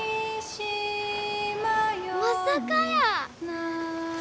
まさかやー。